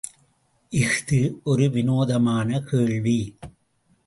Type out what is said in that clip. இஃது ஒரு வினோதமான கேள்வி!